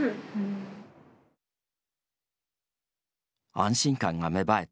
安心感が芽生えた